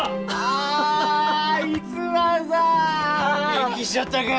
元気しちょったか？